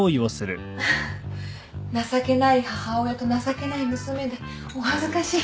情けない母親と情けない娘でお恥ずかしい。